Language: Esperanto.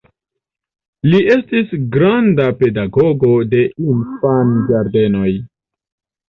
Li estis granda pedagogo de infanĝardenoj.